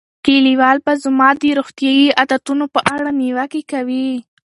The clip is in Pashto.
کلیوال به زما د روغتیايي عادتونو په اړه نیوکې کوي.